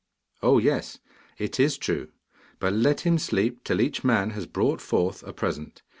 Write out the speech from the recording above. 'Oh yes, it is true, but let him sleep till each man has brought forth a present.